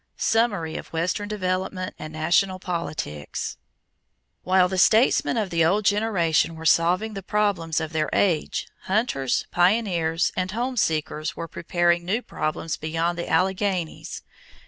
SUMMARY OF WESTERN DEVELOPMENT AND NATIONAL POLITICS While the statesmen of the old generation were solving the problems of their age, hunters, pioneers, and home seekers were preparing new problems beyond the Alleghanies.